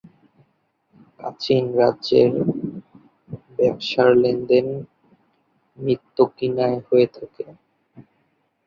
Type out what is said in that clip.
Kachin রাজ্যের ব্যবসার লেনদেন ম্যিতক্যীনায় হয়ে থাকে।